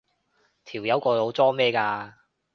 條友個腦裝咩㗎？